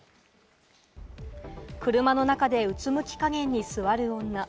車の中でうつむき加減に座る女。